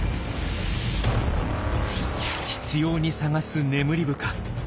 執ように探すネムリブカ。